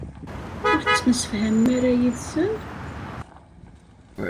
Ur tettemsefhamem ara yid-sen?